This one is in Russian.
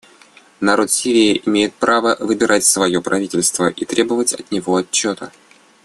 Народ Сирии имеет право выбирать свое правительство и требовать от него отчета.